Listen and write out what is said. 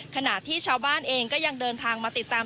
ขณะที่ชาวบ้านเองก็ยังเดินทางมาติดตาม